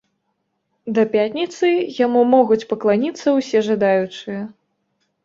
Да пятніцы яму могуць пакланіцца ўсе жадаючыя.